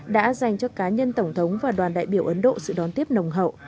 đã dành cho cá nhân tổng thống và đoàn đại biểu ấn độ sự đón tiếp nồng hậu